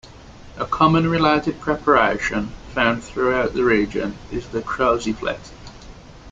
A common, related preparation found throughout the region is the Croziflette.